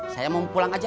saya mau pulang aja